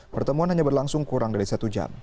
pertemuan hanya berlangsung kurang dari satu jam